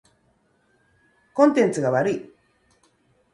コンテンツが悪い。